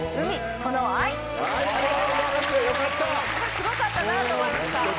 すごかったなと思いました。